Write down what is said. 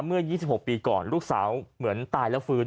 เมื่อ๒๖ปีก่อนลูกสาวเหมือนตายแล้วฟื้น